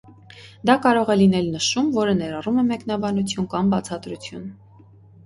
Դա կարող է լինել նշում, որը ներառում է մեկնաբանություն կամ բացատրություն։